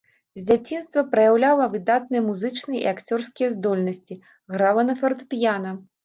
З дзяцінства праяўляла выдатныя музычныя і акцёрскія здольнасці, грала на фартэпіяна.